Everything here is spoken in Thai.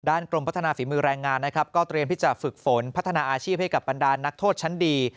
กรมพัฒนาฝีมือแรงงานนะครับก็เตรียมที่จะฝึกฝนพัฒนาอาชีพให้กับบรรดานนักโทษชั้นดี